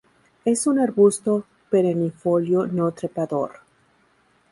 Es un arbusto perennifolio no trepador.